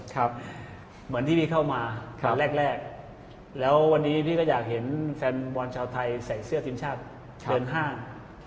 เหมือนที่พี่เข้ามาตอนแรกแรกแล้ววันนี้พี่ก็อยากเห็นแฟนบอลชาวไทยใส่เสื้อทีมชาติเดินห้าง